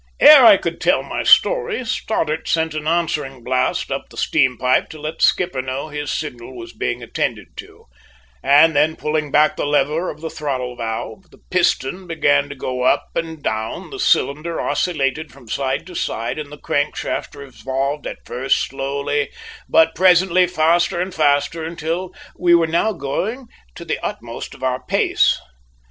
Ere I could tell my story Stoddart sent an answering blast up the steam pipe to let the skipper know his signal was being attended to; and then, pulling back the lever of the throttle valve, the piston began to go up and down, the cylinder oscillated from side to side and the crank shaft revolved at first slowly, but presently faster and faster until we were now going to the utmost of our pace.